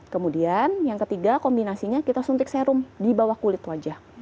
kemudian yang ketiga kombinasinya kita suntik serum di bawah kulit wajah